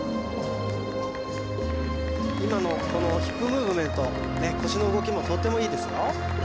今のこのヒップムーブメント腰の動きもとてもいいですよ